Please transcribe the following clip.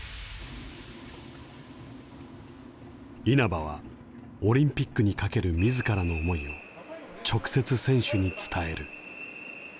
稲葉はオリンピックに懸けるみずからの思いを直接選手に伝える。